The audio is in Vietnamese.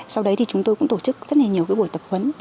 sau đấy thì chúng tôi cũng tổ chức rất là nhiều bộ tập huấn